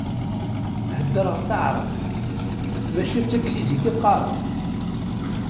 Heddreɣ taεrabt, maca d taglizit i qqareɣ.